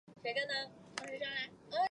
在外形上绿翅与绯红金刚鹦鹉很接近。